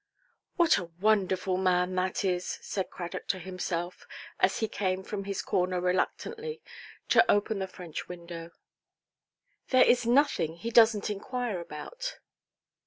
"What a wonderful man that is"! said Cradock to himself, as he came from his corner reluctantly to open the French window; "there is nothing he doesnʼt inquire about.